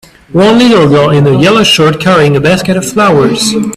One little girl in a yellow shirt carrying a basket of flowers.